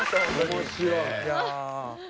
面白い。